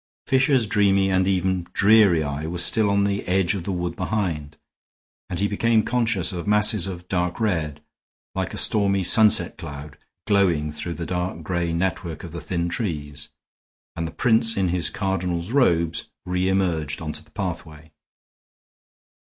Fisher's dreamy, and even dreary, eye was still on the edge of the wood behind, and he became conscious of masses of dark red, like a stormy sunset cloud, glowing through the gray network of the thin trees, and the prince in his cardinal's robes reemerged on to the pathway.